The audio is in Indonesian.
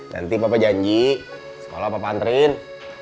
nanti papa janji sekolah papa anterin